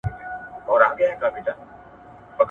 ښځو په سوداګرۍ کي لویې پانګوني کړې وې.